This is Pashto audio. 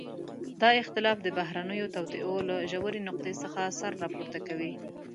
دا اختلاف د بهرنيو توطئو له ژورې نقطې څخه سر راپورته کوي.